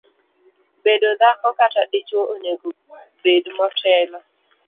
bedo dhako kata dichuo onego bed motelo